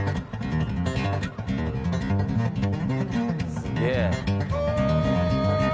「すげえ！」